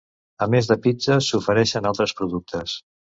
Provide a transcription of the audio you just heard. A més de pizzes, s'ofereixen altres productes.